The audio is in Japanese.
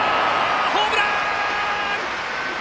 ホームラン！